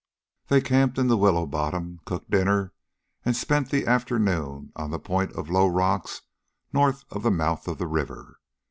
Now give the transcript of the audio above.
They camped in the willow bottom, cooked dinner, and spent the afternoon on the point of low rocks north of the mouth of the river.